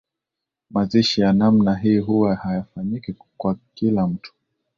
Mazishi ya namna hii huwa hayafanyiki kwa kila mtu